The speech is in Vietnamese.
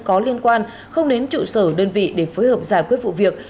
có liên quan không đến trụ sở đơn vị để phối hợp giải quyết vụ việc